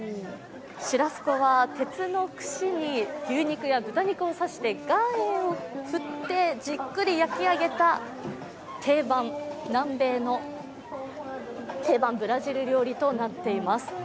シュラスコは鉄の串に牛肉や豚肉を刺して岩塩を振ってじっくり焼き上げた、南米の定番ブラジル料理となっています。